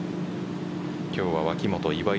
今日は脇元岩井